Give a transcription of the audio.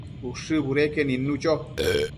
Ushë budeque nidnu cho